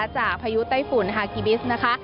จากพยุดใต้ฝุ่นฮากิบิส